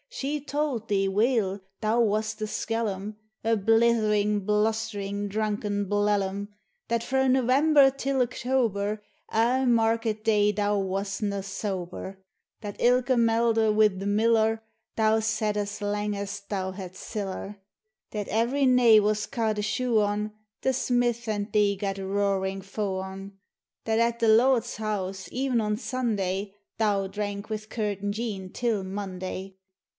She tauld thee weel thou was a skellum, A blethering, blustering, drunken blellum : That frae November till October, Ae market day thou was na sober ; That ilka melder, wi' the miller, Thou sat as lang as thou had siller ; That every naig was ca'd a shoe on, The smith and thee gat roaring fou on ; That at the L — d's house, ev'n on Sunday, Thou drank wi' Kirton Jean till Monday.